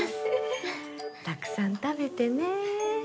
たくさん食べてね。